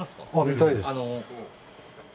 見たいです。